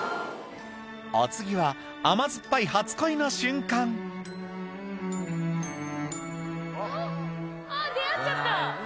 お次は甘酸っぱい初恋の瞬間あっ出会っちゃった！